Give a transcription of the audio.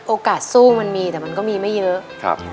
โอกาสสู้มันมีแต่มันก็มีไม่เยอะ